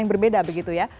yang berbeda begitu ya